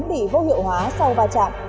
bị vô hiệu hóa sau va chạm